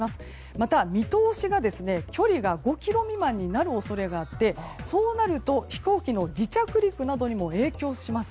また、見通しが距離が５ｋｍ未満になる恐れがあってそうなると飛行機の離着陸などにも影響します。